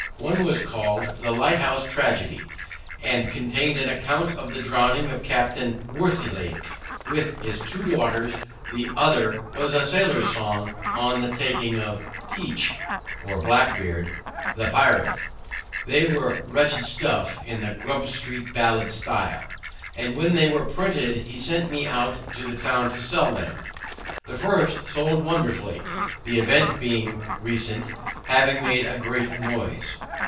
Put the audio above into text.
One was called The Lighthouse Tragedy, and contained an account of the drowning of Captain Worthilake, with his two daughters: the other was a sailor's song, on the taking of Teach (or Blackbeard) the pirate. They were wretched stuff, in the Grub street ballad style; and when they were printed he sent me about the town to sell them. The first sold wonderfully, the event being recent, having made a great noise.